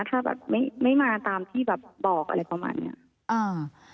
ถ้าไม่มาตามที่บอกอะไรประมาณนี้